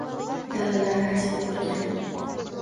Dalalari ajib ko‘rkam